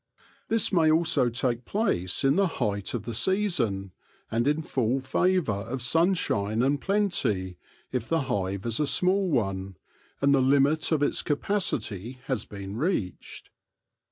This may also take place in the height of the season, and in full favour of sunshine and plenty, if the hive is a small one, and the limit of its capacity has been reached.